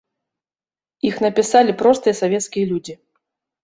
Іх напісалі простыя савецкія людзі.